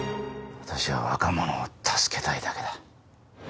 私は若者を助けたいだけだ。